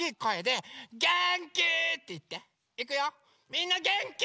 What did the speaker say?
みんなげんき？